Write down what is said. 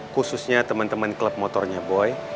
khususnya teman teman klub motornya boy